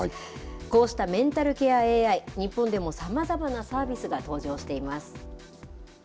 こうしたメンタルケアＡＩ、日本でもさまざまなサービスが登場しています。